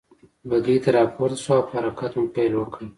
بګۍ ته را پورته شوه او په حرکت مو پيل وکړ.